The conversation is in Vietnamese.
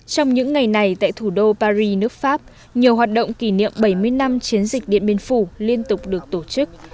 trong những ngày này tại thủ đô paris nước pháp nhiều hoạt động kỷ niệm bảy mươi năm chiến dịch điện biên phủ liên tục được tổ chức